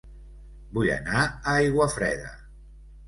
Vull anar a Aiguafreda